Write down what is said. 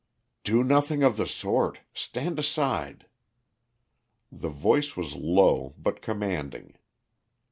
"Do nothing of the sort. Stand aside." The voice was low but commanding.